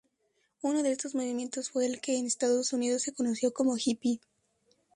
Uno de estos movimientos fue el que en Estados Unidos se conoció como hippie.